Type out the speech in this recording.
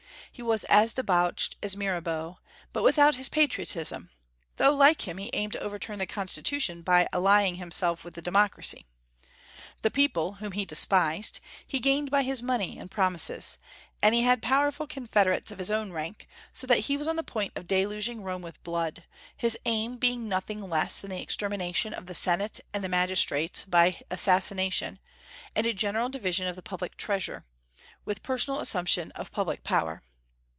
He was as debauched as Mirabeau, but without his patriotism, though like him he aimed to overturn the Constitution by allying himself with the democracy. The people, whom he despised, he gained by his money and promises; and he had powerful confederates of his own rank, so that he was on the point of deluging Rome with blood, his aim being nothing less than the extermination of the Senate and the magistrates by assassination, and a general division of the public treasure, with personal assumption of public power.